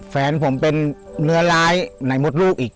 แฟนผมเป็นเนื้อร้ายไหนมดลูกอีก